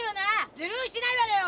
ずるうしてないわらよ！